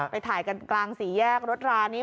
ไปถ่ายกันกลางสี่แยกรถรานี้